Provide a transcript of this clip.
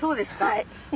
はい。